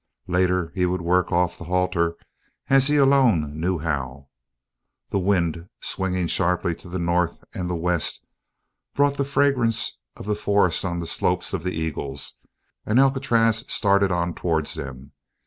Later he would work off the halter as he alone knew how. The wind, swinging sharply to the north and the west, brought the fragrance of the forests on the slopes of the Eagles, and Alcatraz started on towards them.